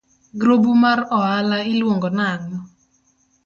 Grubu mar oala iluongo nang'o?